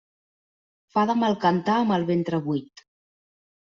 Fa de mal cantar amb el ventre buit.